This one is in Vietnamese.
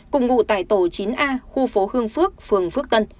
cùng ngụ tại tổ chín a khu phố hương phước phường phước tân